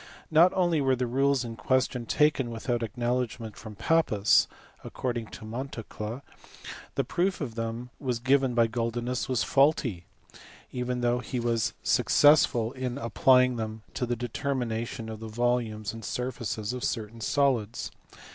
Not only were the rules in question taken without acknow ledgment from Pappus, but (according to Montucla) the proof of them given by Guldinus was faulty, though he was success WRIGHT. 255 ful in applying them to the determination of the volumes and surfaces of certain solids.